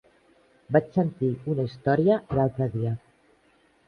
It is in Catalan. Vaig sentir una història l'altre dia.